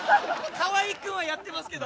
河合君はやってますけど。